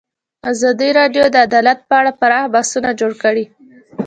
ازادي راډیو د عدالت په اړه پراخ بحثونه جوړ کړي.